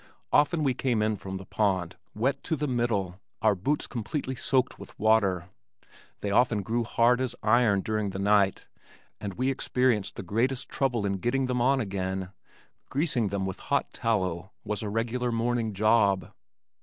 Often we came in from the pond, wet to the middle, our boots completely soaked with water. They often grew hard as iron during the night, and we experienced the greatest trouble in getting them on again. Greasing them with hot tallow was a regular morning job.